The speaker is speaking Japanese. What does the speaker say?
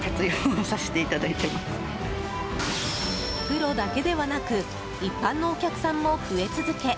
プロだけではなく一般のお客さんも増え続け